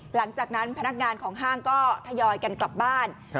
หลังจากนั้นพนักงานของห้างก็ทยอยกันกลับบ้าน